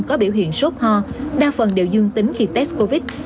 học sinh có biểu hiện sốt ho đa phần đều dương tính khi test covid